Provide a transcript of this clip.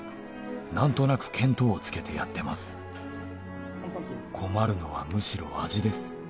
「何となく見当をつけてやってます」「困るのはむしろ味です」